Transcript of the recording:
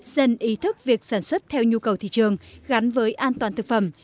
dân ý thức việc sản xuất theo nhu cầu thị trường gắn với an toàn thực phẩm